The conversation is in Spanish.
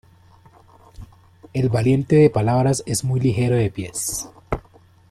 El valiente de palabras es muy ligero de pies.